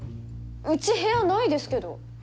うち部屋ないですけど。